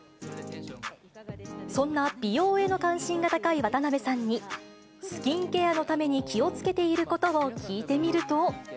そんな美容への関心が高い渡辺さんに、スキンケアのために気をつけていることを聞いてみると。